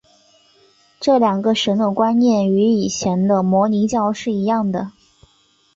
这两个神的观念与以前的摩尼教是一样的。